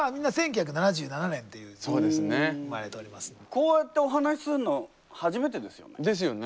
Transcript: こうやってお話しするの初めてですよね？ですよね。